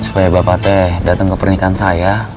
supaya bapak teh datang ke pernikahan saya